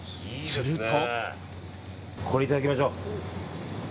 すると。